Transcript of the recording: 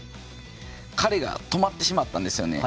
彼が止まってしまったんですよね。